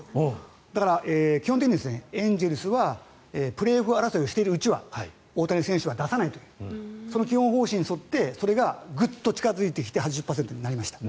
だから、基本的にエンゼルスはプレーオフ争いをしているうちは大谷選手は出さないというその基本方針に沿ってそれがぐっと近付いて８０％になりました。